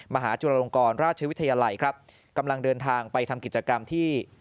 มหาจุฬลงกรราชวิทยาลัยครับกำลังเดินทางไปทำกิจกรรมที่